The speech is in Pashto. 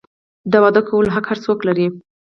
د واده کولو حق هر څوک لري.